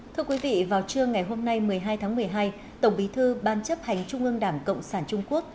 thưa quý vị vào trưa ngày hôm nay một mươi hai tháng một mươi hai tổng bí thư ban chấp hành trung ương đảng cộng sản trung quốc